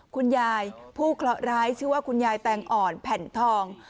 คุณยายผู้เคราะห์ร้ายชื่อว่าคุณยายแตงอ่อนแผ่นทอง